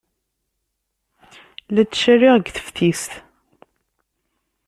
La ttcaliɣ deg teftist.